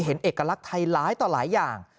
เอกลักษณ์ไทยร้ายต่อหลายอย่าง